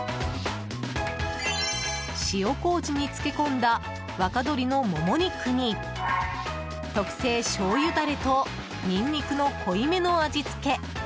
塩麹に漬け込んだ若鳥のもも肉に特製しょうゆダレとニンニクの濃いめの味付け。